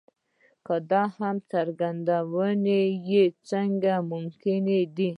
دا هم څرګندوي چې څنګه ممکنه ده.